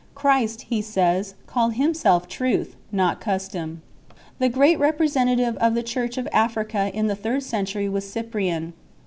Christ, he says, called Himself Truth, not Custom l . The great representative of the Church of Africa in I Cyprian. the third century was Cyprian 2